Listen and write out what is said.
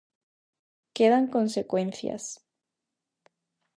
Quedan consecuencias.